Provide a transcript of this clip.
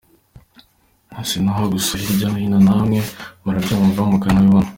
Si n’aho gusa hirya no hino namwe murabyumva mukanabibona.